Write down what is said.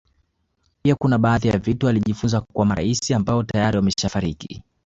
Pia kuna baadhi ya vitu alijifunza kwa marais ambao tayari wameshafariki